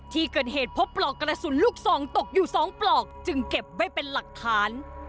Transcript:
ที่เกิดเหตุพบปลอกกระสุนลูกซองตกอยู่๒ปลอกจึงเก็บไว้เป็นหลักฐาน